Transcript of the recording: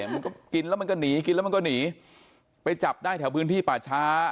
มันก็กินแล้วมันก็หนีกินแล้วมันก็หนีไปจับได้แถวพื้นที่ป่าช้า